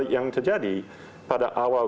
yang terjadi pada awal